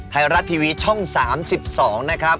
ไทยรัฐทีวีช่อง๓๒นะครับ